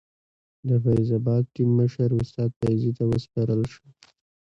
د فیض اباد ټیم مشر استاد فیضي ته وسپارل شوه.